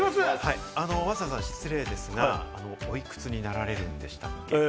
わざわざ失礼ですが、おいくつになられるんですか？